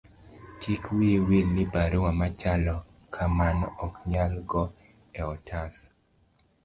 kik wiyi wil ni barua machalo kamano ok nyal go e otas